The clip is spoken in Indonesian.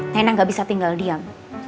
nenek gak bisa tinggal diam